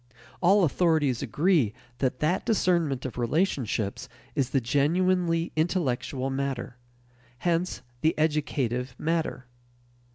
All authorities agree that that discernment of relationships is the genuinely intellectual matter; hence, the educative matter.